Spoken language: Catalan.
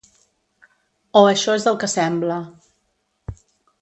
O això és el que sembla.